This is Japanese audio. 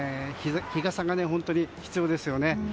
日傘が本当に必要ですね。